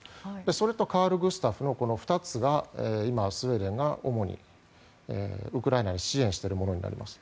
それとカール・グスタフの２つが今、スウェーデンが主にウクライナに支援しているものになります。